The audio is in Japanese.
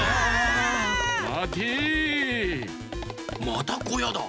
またこやだ。